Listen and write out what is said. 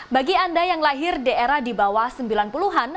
bagi anda yang lahir di era di bawah sembilan puluh an